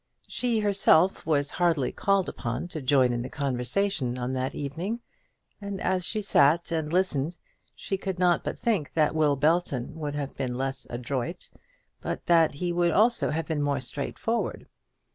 She, herself, was hardly called upon to join in the conversation on that evening, and as she sat and listened, she could not but think that Will Belton would have been less adroit, but that he would also have been more straightforward.